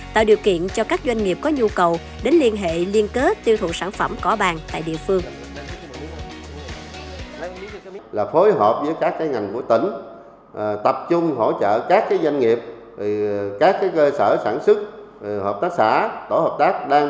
tạo điều kiện cho các doanh nghiệp có nhu cầu đến liên hệ liên kết tiêu thụ sản phẩm cỏ bàn tại địa phương